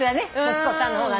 息子さんの方が。